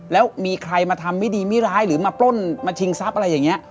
แล้วมีใครมาทำไม่ดีไม่ร้ายหรือมาปล้นมาชิงทรัพย์อะไรอย่างนี้